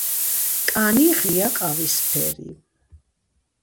კანი ღია ყავისფერი.